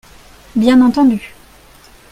Bien entendu.